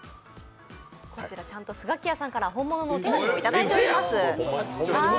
こちらちゃんとスガキヤさんから本物のお手紙もいただいております。